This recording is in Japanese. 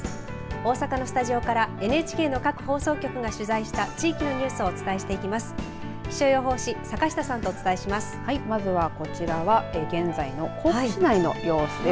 大阪のスタジオからＮＨＫの各放送局が取材した地域のニュースをお伝えします。